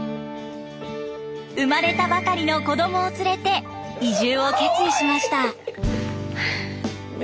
生まれたばかりの子どもを連れて移住を決意しました。